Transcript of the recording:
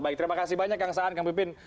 baik terima kasih banyak kang saan kang pipin